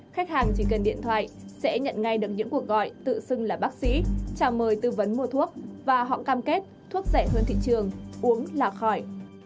khách hàng chỉ cần điện thoại sẽ nhận ngay được những cuộc gọi tự xưng là bác sĩ trả mời tư vấn mua thuốc và họ cam kết thuốc rẻ hơn thị trường uống là khỏi